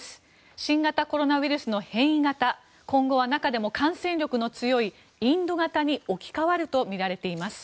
新型コロナウイルスの変異型今後は、中でも感染力の強いインド型に置き換わるとみられています。